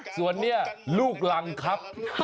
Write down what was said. ส่วนนี้ลูกรังครับ